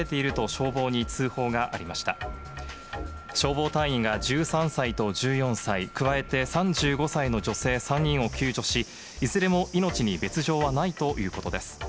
消防隊員が、１３歳と１４歳、加えて３５歳の女性３人を救助し、いずれも命に別状はないということです。